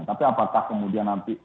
tapi apakah kemudian nanti